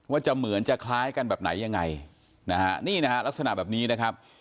ว่าจะเหมือนจะคล้ายกันแบบไหนยังไงนะฮะนี่นะฮะลักษณะแบบนี้นะครับ